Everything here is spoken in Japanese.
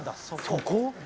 そこ？